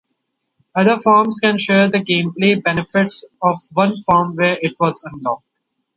Other Forms can share the gameplay benefits of one Form when it was unlocked.